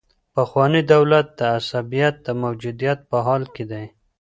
پخوانی دولت د عصبيت د موجودیت په حال کي دی.